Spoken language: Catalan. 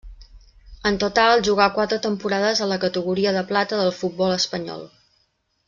En total jugà quatre temporades a la categoria de plata del futbol espanyol.